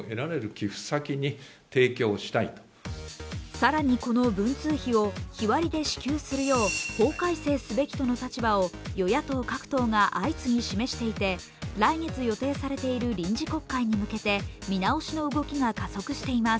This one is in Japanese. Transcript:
更にこの文通費を日割りで支給するよう法改正すべきとの立場を与野党各党が相次ぎ示していて来月、予定されている臨時国会に向けて見直しの動きが加速しています。